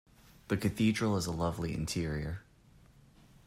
The Cathedral has a lovely interior.